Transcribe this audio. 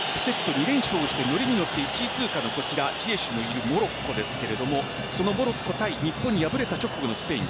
２連勝して乗りに乗って１位通過ジエシュのいるモロッコですがモロッコ対日本に敗れた直後のスペイン。